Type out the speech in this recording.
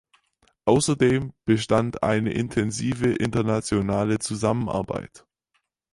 Außerdem bestand eine intensive internationale Zusammenarbeit.